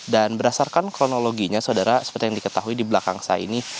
dan berdasarkan kronologinya saudara seperti yang diketahui di belakang saya ini